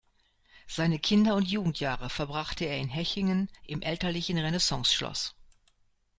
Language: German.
Seine Kinder- und Jugendjahre verbrachte er in Hechingen im elterlichen Renaissanceschloss.